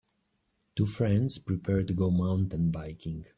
Two friends prepare to go mountain biking.